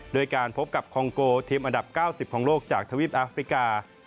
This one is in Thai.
โดยการพบกับคองโกทีมอันดับ๙๐ของโลกจากทวีปอาฟริกา